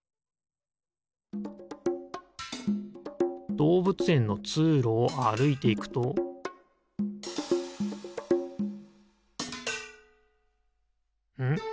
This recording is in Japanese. どうぶつえんのつうろをあるいていくとん？